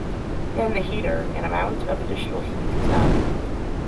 In the heater, an amount of additional heat is added.